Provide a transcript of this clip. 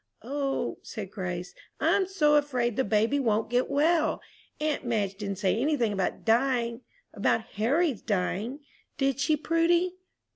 "O," said Grace, "I'm so afraid the baby won't get well! Aunt Madge didn't say any thing about dying about Harry's dying, did she, Prudy?"